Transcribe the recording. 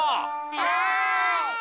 はい！